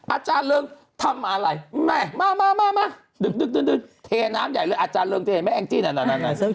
อาจารย์เริงทำอะไรแม่มามาดึกเทน้ำใหญ่เลยอาจารย์เริงจะเห็นไหมแองจี้นั่น